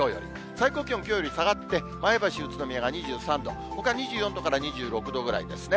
最高気温、きょうより下がって、前橋、宇都宮が２３度、ほか２４度から２６度ぐらいですね。